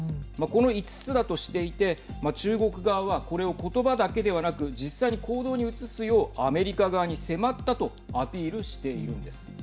この５つだとしていて中国側は、これを言葉だけではなく実際に行動に移すようアメリカ側に迫ったとアピールしているんです。